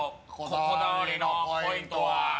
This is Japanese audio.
こだわりのポイントは？